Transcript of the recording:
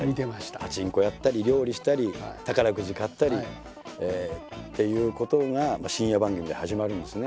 パチンコやったり料理したり宝くじ買ったりっていうことが深夜番組で始まるんですね。